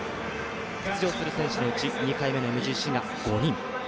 出場する選手のうち２回目のＭＧＣが５人。